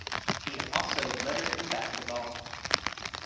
He also lettered in Basketball.